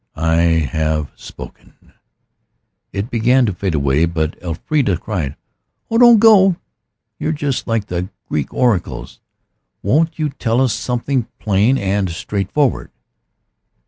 I have spoken." It began to fade away, but Elfrida cried, "Oh, don't go. You're just like the Greek oracles. Won't you tell us something plain and straightforward?"